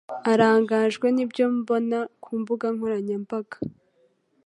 Arangajwe nibyo abona kumbuga nkoranya mbaga